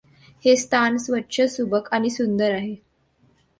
हे स्थान स्वच्छ, सुबक आणि सुंदर आहे.